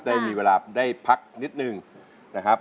ได้มีเวลาได้พักนิดนึงนะครับ